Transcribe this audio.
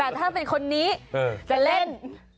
แต่ถ้าเป็นคนนี้จะเล่น